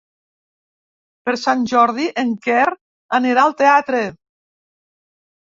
Per Sant Jordi en Quer anirà al teatre.